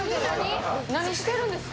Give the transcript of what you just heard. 何してるんですか？